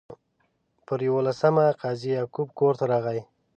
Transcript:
پر یوولسمه قاضي یعقوب کور ته راغی.